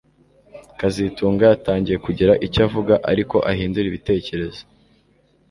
kazitunga yatangiye kugira icyo avuga ariko ahindura ibitekerezo